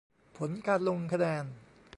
ผลการลงคะแนน